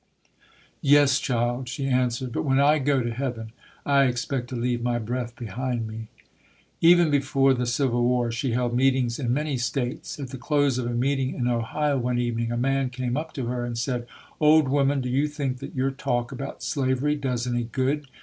"Yes, child", she answered, "but when I go to heaven I expect to leave my breath behind me". Even before the Civil War, she held meetings in many states. At the close of a meeting in Ohio one evening, a man came up to her and said, "Old woman, do you think that your talk about slavery does any good?